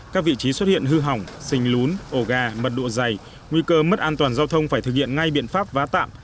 các vị trí xuất hiện hư hỏng xình lún ổ gà mật độ dày nguy cơ mất an toàn giao thông phải thực hiện ngay biện pháp vá tạm